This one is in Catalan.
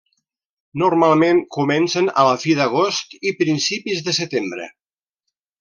Normalment comencen a la fi d'agost i principis de setembre.